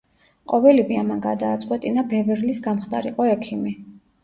ყოველივე ამან გადააწყვეტინა ბევერლის გამხდარიყო ექიმი.